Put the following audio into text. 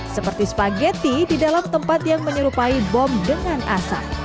seperti spaghetti di dalam tempat yang menyerupai bom dengan asap